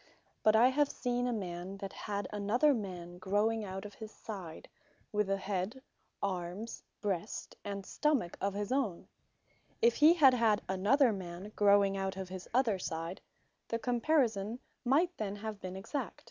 But I have seen a man, that had another man growing out of his side, with an head, armes, breast, and stomach, of his own: If he had had another man growing out of his other side, the comparison might then have been exact.